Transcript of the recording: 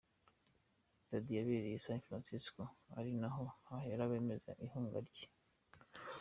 Day yabereye i San Francisco ari naho bahera bemeza ihunga rye.